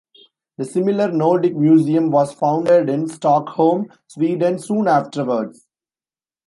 The similar Nordic Museum, was founded in Stockholm, Sweden soon afterwards.